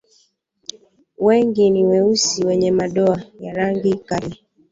Wengi ni weusi wenye madoa ya rangi kali.